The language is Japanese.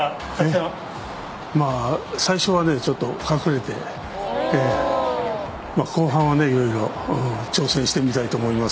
最初は隠れて後半はいろいろ挑戦してみたいと思います。